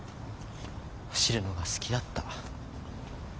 走るのが好きだった。